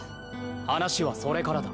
話はそれからだ。